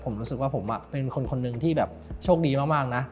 ผมรู้สึกว่าผมเป็นคนคนหนึ่งที่แบบโชคดีมากนะ